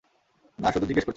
না, শুধু জিজ্ঞেস করছি।